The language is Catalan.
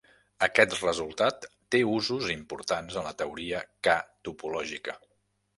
Aquest resultat té usos importants en la teoria K topològica.